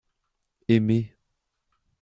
Aimez.